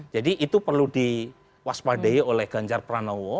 jadi itu perlu diwaspadai oleh ganjar pranowo